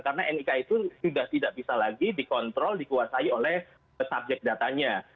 karena nik itu sudah tidak bisa lagi dikontrol dikuasai oleh subjek datanya